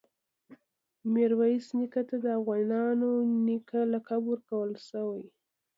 میرویس نیکه ته د “افغانانو نیکه” لقب ورکړل شو.